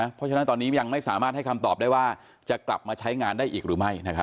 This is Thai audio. เพราะฉะนั้นตอนนี้ยังไม่สามารถให้คำตอบได้ว่าจะกลับมาใช้งานได้อีกหรือไม่